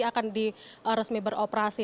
ini akan diresmi beroperasi